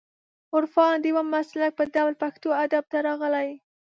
عرفان د یو مسلک په ډول پښتو ادب ته راغلی